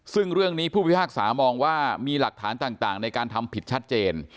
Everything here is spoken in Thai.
ซึ่งเรื่องนี้ผู้พิพากษามองว่ามีหลักฐานต่างในการทำผิดชัดเจน